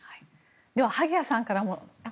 では、萩谷さんからも。